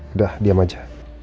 udah diam aja